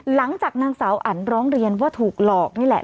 หลังจากนางสาวอันร้องเรียนว่าถูกหลอกนี่แหละ